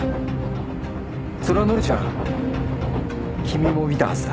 それは乃里ちゃん君も見たはずだ。